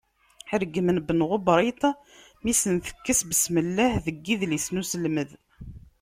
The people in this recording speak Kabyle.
Reggmen Ben Ɣebriṭ mi sen-tekkes "besmelleh" deg idlisen uselmed.